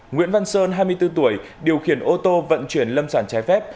nguyễn văn sơn hai mươi bốn tuổi điều khiển ô tô vận chuyển lâm sản trái phép